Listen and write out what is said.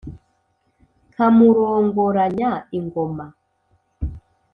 nkamurongoranya ingoma.